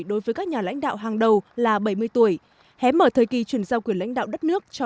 đối với các nhà lãnh đạo hàng đầu là bảy mươi tuổi hé mở thời kỳ chuyển giao quyền lãnh đạo đất nước cho